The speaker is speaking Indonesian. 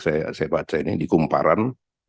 saya baca ini di kumparan